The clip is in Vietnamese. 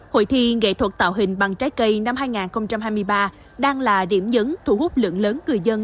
hội thi nghệ thuật tạo hình bằng trái cây năm hai nghìn hai mươi ba đang là điểm nhấn thu hút lượng lớn người dân